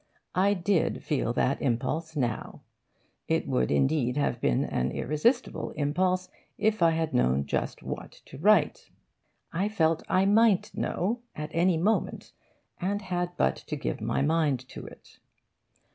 I did feel that impulse now. It would indeed have been an irresistible impulse if I had known just what to write. I felt I might know at any moment, and had but to give my mind to it.